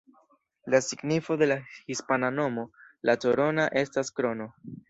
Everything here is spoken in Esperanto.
La signifo de la hispana nomo ""La Corona"" estas ""Krono"".